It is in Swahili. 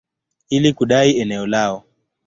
ili kudai eneo lao.